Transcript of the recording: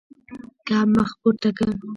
کب مخ پورته لاړ.